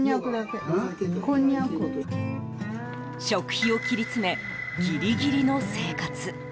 食費を切り詰めギリギリの生活。